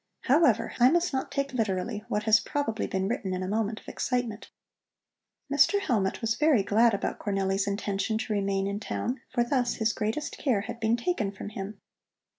However, I must not take literally what has probably been written in a moment of excitement." Mr. Hellmut was very glad about Cornelli's intention to remain in town, for thus his greatest care had been taken from him.